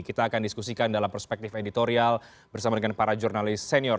kita akan diskusikan dalam perspektif editorial bersama dengan para jurnalis senior